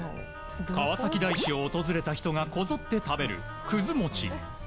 川崎大師を訪れた人がこぞって食べる、くず餅。